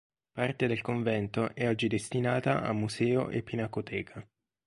Parte del convento è oggi destinata a museo e pinacoteca.